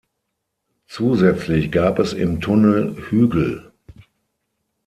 Zusätzlich gab es im Tunnel Hügel.